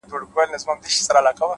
پایښت له ثابت قدمۍ راځي!